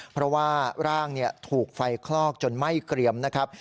เพราะว่าร่างถูกไฟคลอกจนไหม้เกรียมนะครับ